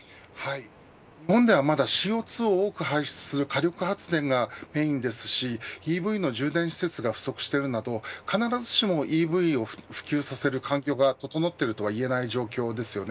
日本ではまだＣＯ２を多く排出する火力発電がメインですしＥＶの充電施設が不足しているなど必ずしもＥＶを普及させる環境が整っているとはいえない状況です。